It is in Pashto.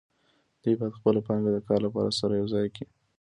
دوی باید خپله پانګه د کار لپاره سره یوځای کړي